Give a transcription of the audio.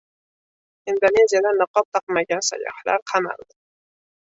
Indoneziyada niqob taqmagan sayyohlar qamaldi